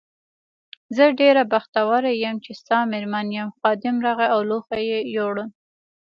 زه ډېره بختوره یم چې ستا مېرمن یم، خادم راغی او لوښي یې یووړل.